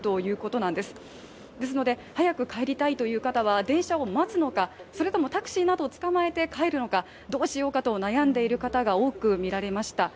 なので、早く帰りたいという方は電車を待つのかそれともタクシーなどをつかまえて帰るのかどうしようかと悩んでいる方が多くいるようにみられました。